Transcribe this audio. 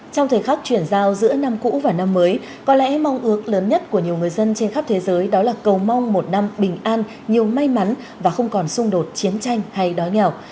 trong thời khắc chuyển giao giữa năm cũ và năm mới có lẽ mong ước lớn nhất của nhiều người dân trên khắp thế giới đó là cầu mong một năm bình an nhiều may mắn và không còn xung đột chiến tranh hay đói nghèo